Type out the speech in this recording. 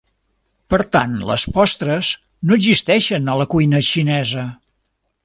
Per tant les postres no existeixen en la cuina xinesa.